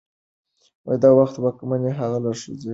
د وخت واکمنو هغه له ښوونځي ویست.